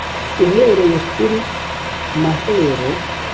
uhereye kuri « mahero »